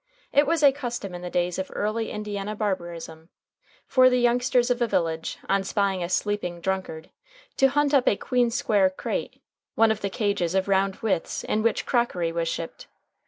It was a custom in the days of early Indiana barbarism for the youngsters of a village, on spying a sleeping drunkard, to hunt up a "queensware crate" one of the cages of round withes in which crockery was shipped.